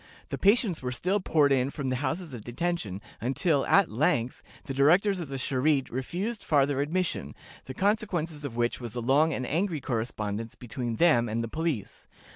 The patients were still poured in from the houses of detention, until, at length, the directors of the Charité refused farther admission, the consequence of which was a long and angry correspondence between them and the police.